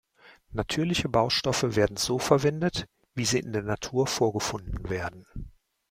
Natürliche Baustoffe werden so verwendet, wie sie in der Natur vorgefunden werden.